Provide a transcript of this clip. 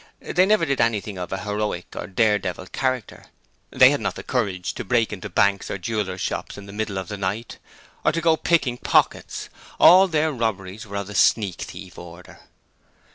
They never did anything of a heroic or dare devil character: they had not the courage to break into banks or jewellers' shops in the middle of the night, or to go out picking pockets: all their robberies were of the sneak thief order.